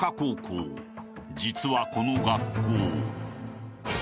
［実はこの学校］